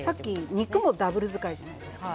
肉もダブル使いじゃないですか。